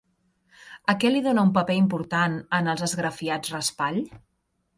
A què li dona un paper important en els esgrafiats Raspall?